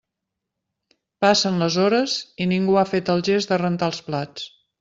Passen les hores i ningú ha fet el gest de rentar els plats.